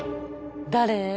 誰？